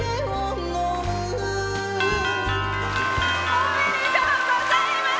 おめでとうございます。